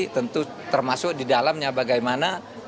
tentu termasuk di dalamnya bagaimana